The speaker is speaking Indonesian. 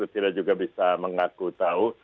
tidak juga bisa mengaku tahu